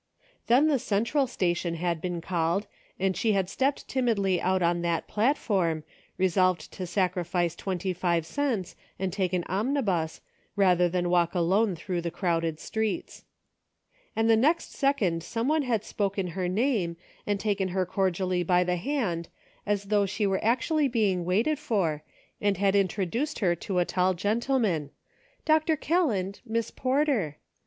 Then the Central Station had been called, and she had stepped timidly out on that platform, resolved to sacrifice twenty five cents and take an omnibus, rather than walk alone through the crowded streets. And the next second some one had spoken her name, and taken her cordially by the hand, as though she were actually being waited for, and had introduced her to a tall gentleman :" Dr. Kelland, Miss Porter."